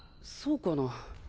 そうかな。